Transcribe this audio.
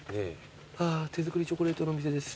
あ「手作りチョコレートのお店です」